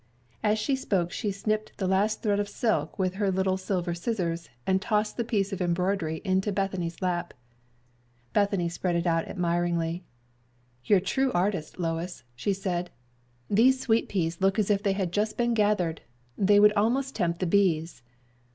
As she spoke she snipped the last thread of silk with her little silver scissors, and tossed the piece of embroidery into Bethany's lap. Bethany spread it out admiringly. "You are a true artist, Lois," she said. "These sweet peas look as if they had just been gathered. They would almost tempt the bees."